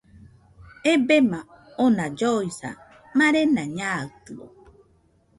Ebema ona lloisa, marena naɨtɨo.